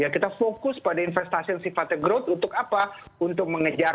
kita fokus pada investasi yang sifatnya growth untuk apa